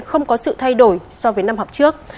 không có sự thay đổi so với năm học trước